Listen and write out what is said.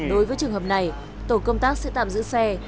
đối với trường hợp này tổ công tác sẽ tạm giữ xe